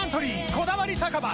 「こだわり酒場